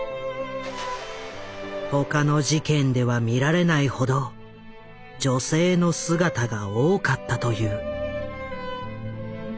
他の事件では見られないほど女性の姿が多かったという。